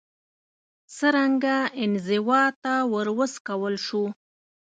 څرنګه انزوا ته وروڅکول شو